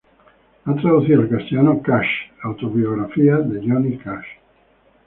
Ha traducido al castellano "Cash", la autobiografía de Johnny Cash.